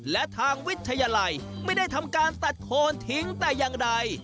และทางวิทยาลัยไม่ได้ทำการตัดโคนทิ้งแต่อย่างใด